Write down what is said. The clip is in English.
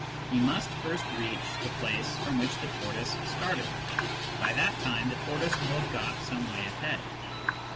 He must first reach the place from which the tortoise started. By that time the tortoise will have got some way ahead.